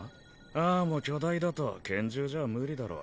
ああも巨大だと拳銃じゃあ無理だろう。